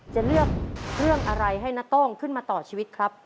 จะเลือกเรื่องอะไรให้นาโต้งขึ้นมาต่อชีวิตครับ